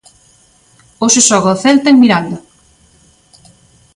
Hoxe xoga o Celta en Miranda.